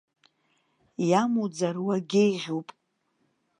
Иамуӡар, уагьеиӷьуп!